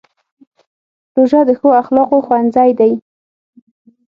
روژه د ښو اخلاقو ښوونځی دی.